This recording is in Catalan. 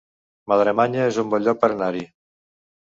Madremanya es un bon lloc per anar-hi